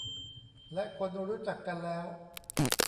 และคนรู้จักกันแล้ว